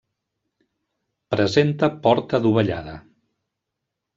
Presenta porta dovellada.